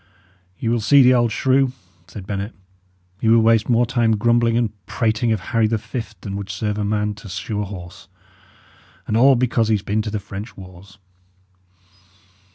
"Ye will see the old shrew," said Bennet. "He will waste more time grumbling and prating of Harry the Fift than would serve a man to shoe a horse. And all because he has been to the French wars!"